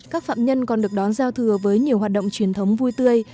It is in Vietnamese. các phạm nhân còn được đón giao thừa với nhiều hoạt động truyền thống vui tươi